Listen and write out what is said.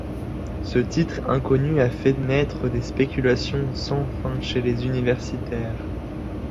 Ce titre inconnu a fait naître des spéculations sans fin chez les universitaires.